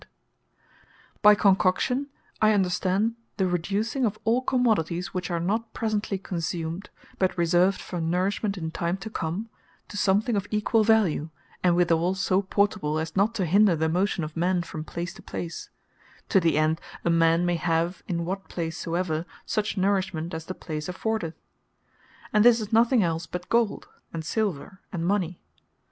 Mony The Bloud Of A Common wealth By Concoction, I understand the reducing of all commodities, which are not presently consumed, but reserved for Nourishment in time to come, to some thing of equal value, and withall so portably, as not to hinder the motion of men from place to place; to the end a man may have in what place soever, such Nourishment as the place affordeth. And this is nothing else but Gold, and Silver, and Mony.